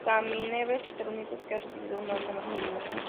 Ganimedes es el único que ha recibido un nombre masculino.